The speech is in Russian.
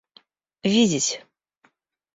видеть